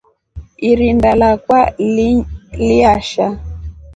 Irinda lakwa liyasha.